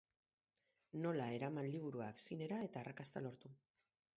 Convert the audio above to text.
Nola eraman liburuak zinera eta arrakasta lortu.